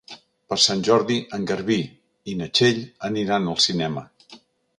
Per Sant Jordi en Garbí i na Txell aniran al cinema.